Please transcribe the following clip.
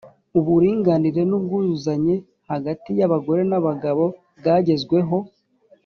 uburinganire n’ubwuzuzanye hagati y’abagore n’abagabo bwagezweho